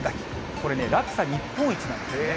これね、落差日本一なんですね。